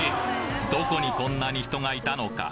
どこにこんなに人がいたのか？